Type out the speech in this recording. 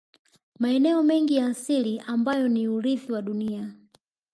Maeneo mengi ya asili ambayo ni urithi wa dunia